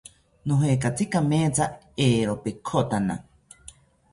Nojekatzi kametha, eero petkotana